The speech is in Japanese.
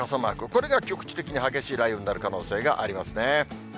これが局地的に激しい雷雨になる可能性がありますね。